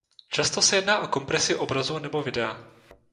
Často se jedná o kompresi obrazu nebo videa.